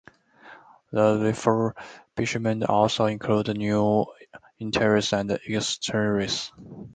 The refurbishment also included new interiors and exteriors.